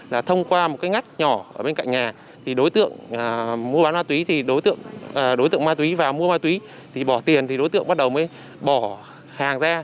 là thông qua một cái ngắt nhỏ ở bên cạnh nhà thì đối tượng mua bán ma túy thì đối tượng đối tượng ma túy vào mua ma túy thì bỏ tiền thì đối tượng bắt đầu mới bỏ hàng ra